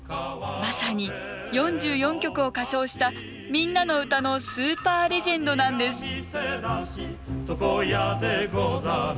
まさに４４曲を歌唱した「みんなのうた」のスーパーレジェンドなんです。